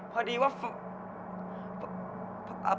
พอดีว่าฟั